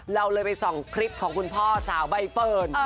เราเลยไปส่องคลิปของคุณพ่อสาวใบเฟิร์น